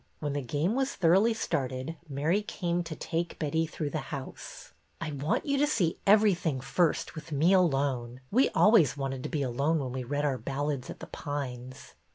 When the game was thoroughly started Mary came to take Betty through the house. MARY KING'S PLAN 245 I want you to see everything first with me alone. We always wanted to be alone when we read our Ballads at The Pines."